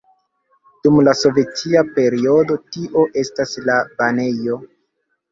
Dum la sovetia periodo tio estas la banejo.